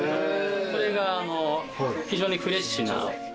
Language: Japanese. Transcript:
これが非常にフレッシュな。